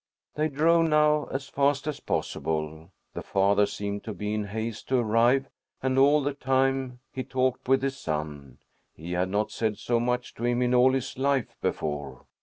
They drove now as fast as possible. The father seemed to be in haste to arrive, and all the time he talked with his son. He had not said so much to him in all his life before.